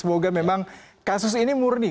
semoga memang kasus ini murni